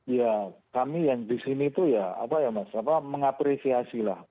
ya kami yang di sini itu ya apa ya mas apa mengapresiasi lah